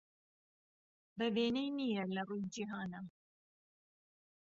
به وێنهی نییه له رووی جیهانا